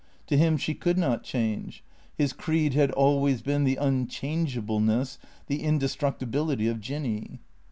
To him she could not change. His creed had always been the unchange ableness, the indestructibility of Jinny.